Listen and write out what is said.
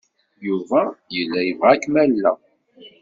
Yuba yella yebɣa ad kem-alleɣ.